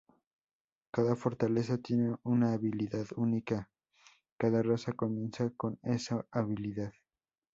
Cada Fortaleza tiene una habilidad única, cada raza comienza con esa habilidad.